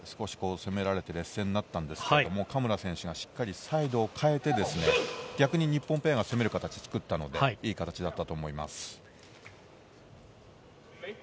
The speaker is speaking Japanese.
今、前半のラリーで少し攻められて劣勢になったんですけど、嘉村選手がしっかりサイドを変えて逆に日本ペアが攻める形を作ったので、いい形だったと思います。